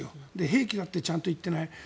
兵器だってちゃんと行っていない。